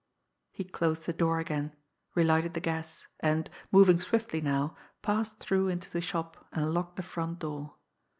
He closed the door again, relighted the gas, and, moving swiftly now, passed through into the shop and locked the front door.